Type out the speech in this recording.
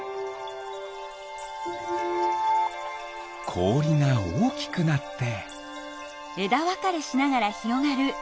こおりがおおきくなって。